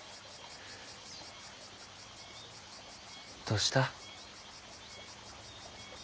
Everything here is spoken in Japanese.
どうした？